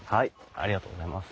ありがとうございます。